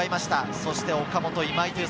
そして岡本と今井。